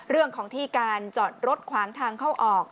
เรื่องของที่การจอดรถขวางทางเข้าออก